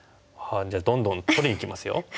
じゃあどんどん取りにいきますよ。